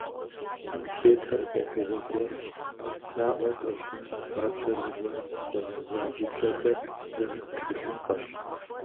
Анкетэр ӏуэхугъуэ гуэр наӏуэ къэщӏын папщӏэ зыгуэрым хуэгъэза упщӏэхэр зэрыт тхылъымпӏэщ.